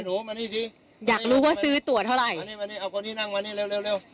ไอ้หนูมานี่สิอยากรู้ว่าซื้อตัวเท่าไรมานี่มานี่เอาคนที่นั่งมานี่เร็วเร็วเร็ว